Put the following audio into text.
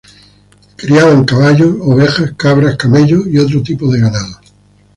Criaban caballos, ovejas, cabras, camellos y otros tipos de ganado.